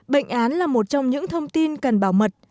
bệnh án là một trong những thông tin cần bảo mật